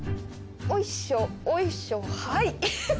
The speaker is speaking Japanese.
おいしょおいしょはい。